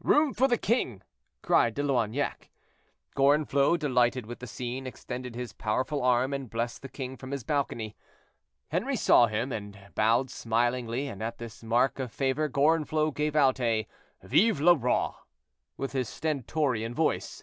"Room for the king!" cried De Loignac. Gorenflot, delighted with the scene, extended his powerful arm and blessed the king from his balcony. Henri saw him, and bowed smilingly, and at this mark of favor Gorenflot gave out a "Vive le Roi!" with his stentorian voice.